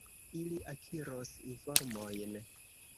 Ili akiros informojn.